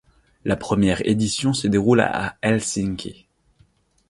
La première édition se déroule à Helsinki.